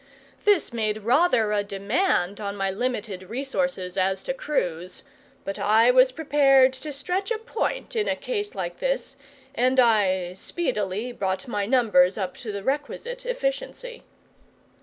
This made rather a demand on my limited resources as to crews; but I was prepared to stretch a point in a case like this, and I speedily brought my numbers up to the requisite efficiency.